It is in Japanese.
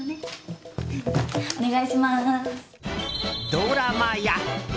ドラマや。